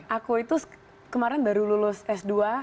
aku itu kemarin baru lulus s dua